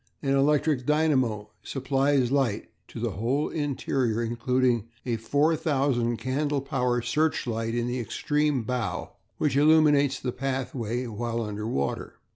An electric dynamo supplies light to the whole interior, including a 4000 candle power searchlight in the extreme bow which illuminates the pathway while under water.